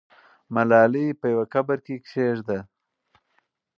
ملالۍ په یوه قبر کې کښېږده.